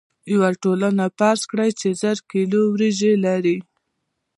یوه ټولنه فرض کړئ چې زر کیلو وریجې لري.